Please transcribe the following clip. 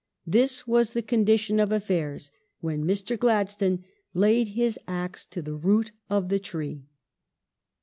This was the condition of affairs when Mr. Gladstone laid his axe to the root of the tree.